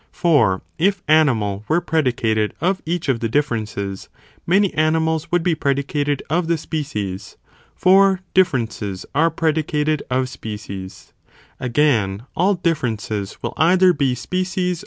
For if animal were predicated of each of the differences, many animals would be predicated of the species, for differences are predicated: of species, Again, all differences will either be CHAP.